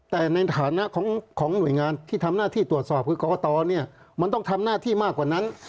แต่ในฐานะของหน่วยงานที่ทำหน้าที่ตรวจสอบคือกรกตเนี่ยมันต้องทำหน้าที่มากกว่านั้น